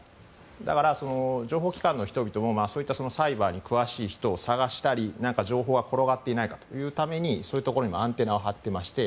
だから、情報機関の人々もサイバーに詳しい人を探したり情報が転がっていないかというためにそういうところにもアンテナを張っていまして。